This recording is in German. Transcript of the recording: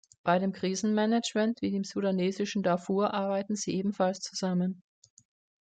Bei dem Krisenmanagement, wie im sudanesischen Darfur, arbeiten sie ebenfalls zusammen.